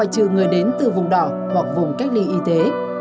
trừ người đến từ vùng đảo hoặc vùng cách ly y tế